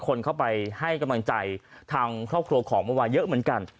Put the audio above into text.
คนเข้าไปให้กำลังใจทางครอบครัวของเมื่อวานเยอะเหมือนกัน